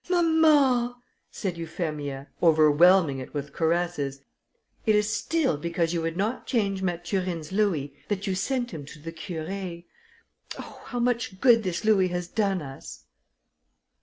mamma," said Euphemia, overwhelming it with caresses, "it is still because you would not change Mathurine's louis, that you sent them to the Curé. Oh! how much good this louis has done us!"